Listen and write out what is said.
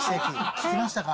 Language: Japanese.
聞きましたか？